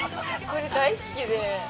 これ大好きで。